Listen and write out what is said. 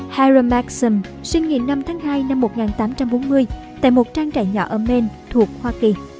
hiro maxim sinh ngày năm tháng hai năm một nghìn tám trăm bốn mươi tại một trang trại nhỏ ở maine thuộc hoa kỳ